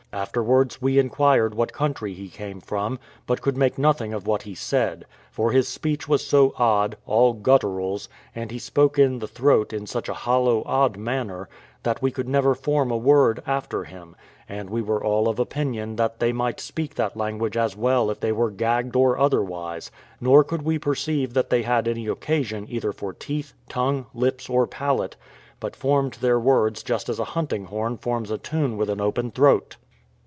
Afterwards, we inquired what country he came from; but could make nothing of what he said; for his speech was so odd, all gutturals, and he spoke in the throat in such a hollow, odd manner, that we could never form a word after him; and we were all of opinion that they might speak that language as well if they were gagged as otherwise; nor could we perceive that they had any occasion either for teeth, tongue, lips, or palate, but formed their words just as a hunting horn forms a tune with an open throat.